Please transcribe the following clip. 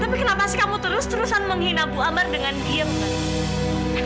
tapi kenapa sih kamu terus terusan menghina bu amber dengan diam kak